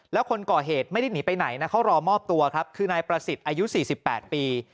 แล้วคนก่อเหตุไม่ได้หนีไปไหนนะเขารอมอบตัวครับคือนายประสิทธิ์อายุ๔๘ปี